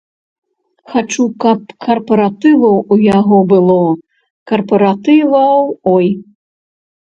Хачу, каб карпаратываў у яго было, карпаратываў, ой!